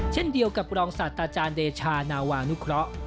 เช่นเดียวกับรองศาสตราจารย์เดชานาวานุเคราะห์